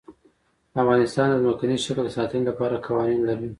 افغانستان د ځمکنی شکل د ساتنې لپاره قوانین لري.